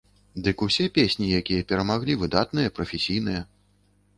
Дык усе песні, якія перамагалі, выдатныя, прафесійныя.